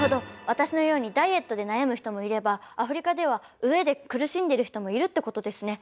私のようにダイエットで悩む人もいればアフリカでは飢えで苦しんでる人もいるってことですね。